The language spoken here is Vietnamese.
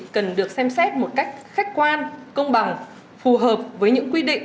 cần được xem xét một cách khách quan công bằng phù hợp với những quy định